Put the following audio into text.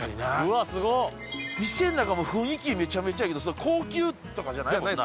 っ店んなかも雰囲気めちゃめちゃいいけど高級とかじゃないもんな